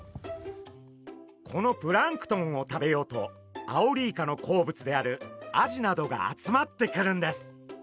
このプランクトンを食べようとアオリイカの好物であるアジなどが集まってくるんです。